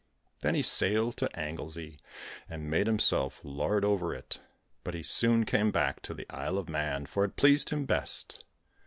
Then he sailed to Anglesey and made himself lord over it, but he soon came back to the Isle of Mann, for it pleased him best.